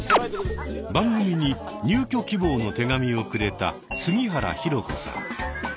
番組に入居希望の手紙をくれた杉原弘子さん。